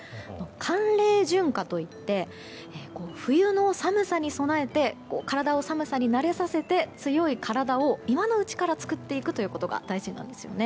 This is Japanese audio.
寒冷順化といって冬の寒さに備えて体を寒さに慣れさせて強い体を、今のうちから作っていくということが大事なんですよね。